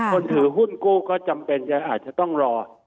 คนถือหุ้นกู้ก็จำเป็นอาจจะต้องรอ